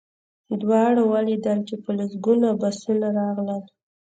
دواړو ولیدل چې په لسګونه بسونه راغلل